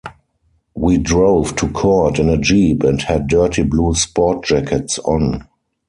We drove to court in a Jeep and had dirty blue sport jackets on.